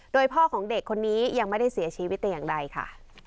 โดยพ่อของเด็กคนนี้ยังไม่ได้เสียชีวิตแต่อย่างใดค่ะ